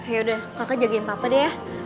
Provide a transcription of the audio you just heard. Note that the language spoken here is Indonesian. yaudah kakak jagain papa deh ya